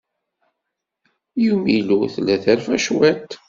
Yumilo tella terfa cwiṭ.